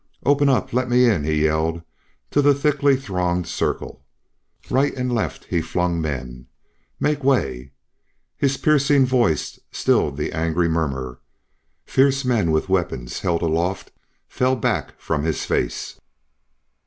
"Open up! Let me in!" he yelled to the thickly thronged circle. Right and left he flung men. "Make way!" His piercing voice stilled the angry murmur. Fierce men with weapons held aloft fell back from his face.